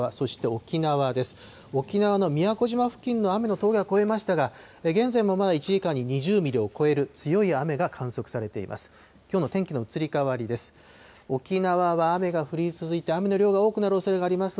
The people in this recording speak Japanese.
沖縄の宮古島付近の雨の峠は越えましたが、現在も、まだ１時間に２０ミリを超える強い雨が観測されています。